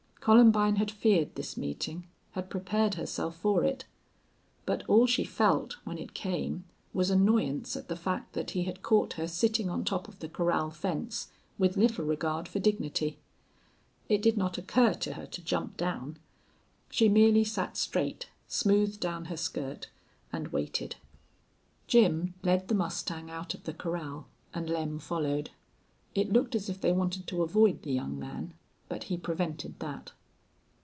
Columbine had feared this meeting, had prepared herself for it. But all she felt when it came was annoyance at the fact that he had caught her sitting on top of the corral fence, with little regard for dignity. It did not occur to her to jump down. She merely sat straight, smoothed down her skirt, and waited. Jim led the mustang out of the corral and Lem followed. It looked as if they wanted to avoid the young man, but he prevented that.